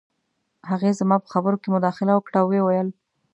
هغې زما په خبرو کې مداخله وکړه او وویې ویل